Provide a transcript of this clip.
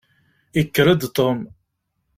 Yekker-d Tom.